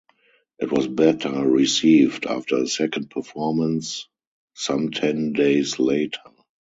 It was better received after a second performance some ten days later.